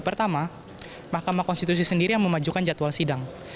pertama mahkamah konstitusi sendiri yang memajukan jadwal sidang